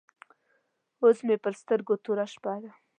اوس مې پر سترګو توره شپه ده.